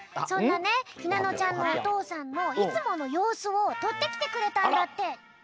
そんなねひなのちゃんのお父さんのいつものようすをとってきてくれたんだって。